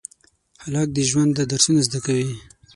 هلک د ژونده درسونه زده کوي.